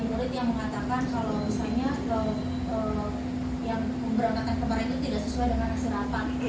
murid yang mengatakan kalau misalnya yang keberangkatan kemarin itu tidak sesuai dengan hasil rapat